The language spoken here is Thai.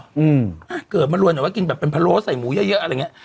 อืมเกิดมารวมแบบว่ากินแบบเป็นพะโล้ใส่หมูเยอะอะไรเงี้ย